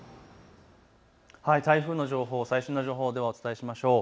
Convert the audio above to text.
台風の情報、最新の情報をお伝えしましょう。